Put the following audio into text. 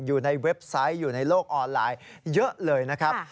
เว็บไซต์อยู่ในโลกออนไลน์เยอะเลยนะครับ